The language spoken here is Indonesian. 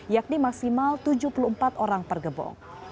yakni maksimal tujuh puluh empat orang per gerbong